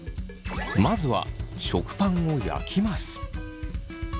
まず食パンを焼きます。